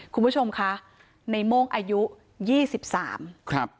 คุณผู้ชมคะในโม่งอายุยี่สิบสามครับ